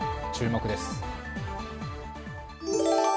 注目です。